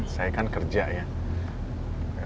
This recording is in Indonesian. saya kan kerja ya